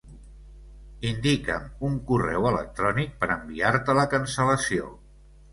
Indica'm un correu electrònic per enviar-te la cancel·lació.